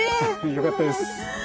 よかったです。